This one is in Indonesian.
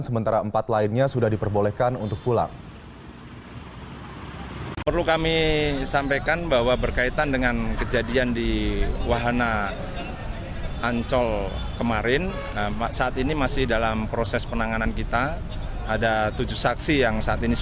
sementara empat lainnya sudah diperbohongkan